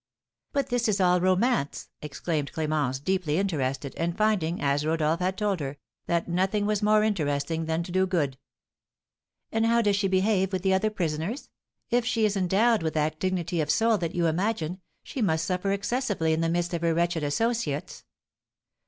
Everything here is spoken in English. "But this is all a romance!" exclaimed Clémence, deeply interested, and finding, as Rodolph had told her, that nothing was more interesting than to do good. "And how does she behave with the other prisoners? If she is endowed with that dignity of soul that you imagine, she must suffer excessively in the midst of her wretched associates."